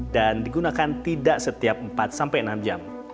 dan digunakan tidak setiap empat enam jam